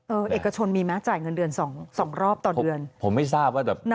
เอกชนมีไหมจ่ายเงินเดือนสองสองรอบต่อเดือนผมไม่ทราบว่าแบบ